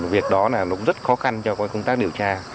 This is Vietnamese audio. việc đó là nó rất khó khăn cho công tác điều tra